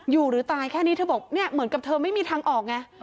หรือตายแค่นี้เธอบอกเนี่ยเหมือนกับเธอไม่มีทางออกไง